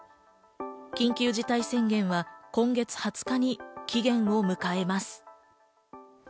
緊急事態宣言は今月２０日に期限を迎えます。